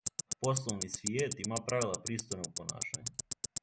Пословни свијет има правила пристојног понашања.